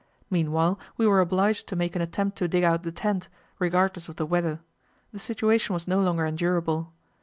Meanwhile we were obliged to make an attempt to dig out the tent, regardless of the weather; the situation was no longer endurable.